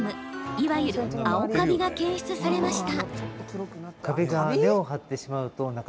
いわゆる青カビが検出されました。